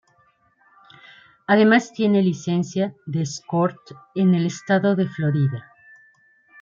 Además, tiene licencia de escort en el estado de Florida.